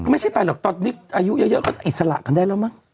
ไม่ใช่ไปหรอกตอนนี้อายุเยอะก็อิสระกันได้แล้วมั้ง